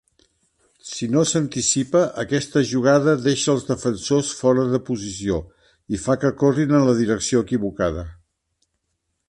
Si no s'anticipa, aquesta jugada deixa els defensors fora de posició i fa que corrin en la direcció equivocada.